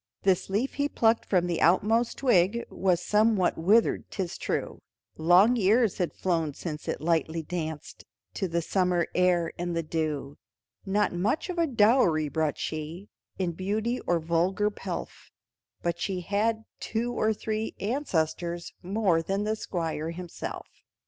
This leaf he plucked from the outmost twig Was somewhat withered, 'tis true, Long years had flown since it lightly danced To the summer air and the dew; Not much of a dowry brought she, In beauty or vulgar pelf, But she had two or three ancestors More than the Squire himself.